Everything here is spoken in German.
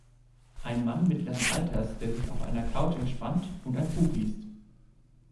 Ein Mann mittleren Alters, der sich auf einer Couch entspannt und ein Buch liest.